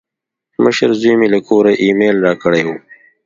مشر زوی مې له کوره ایمیل راکړی و.